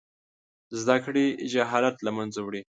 زده کړې جهالت له منځه وړي.